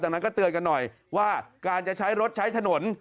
จากนั้นก็เตือนกันหน่อยว่าการจะใช้รถใช้ถนน